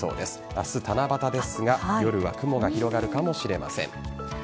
明日七夕ですが夜は雲が広がるかもしれません。